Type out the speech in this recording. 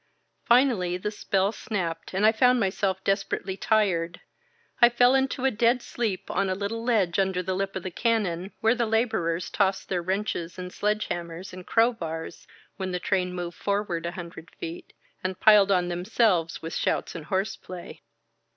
Finally the spell snapped and I found myself desperately tired. I fell into a dead sleep on a little ledge under the lip of the cannon, where the laborers tossed their wrenches and sledge hammers and crowbars when the train moved forward a hundred feet, and piled on themselves with shouts and horseplay.